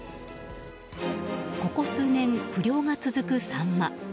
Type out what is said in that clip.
ここ数年、不漁が続くサンマ。